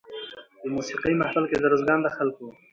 د موسېقۍ محفل کې د روزګان د خلکو